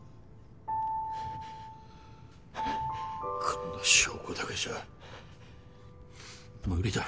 こんな証拠だけじゃ無理だ。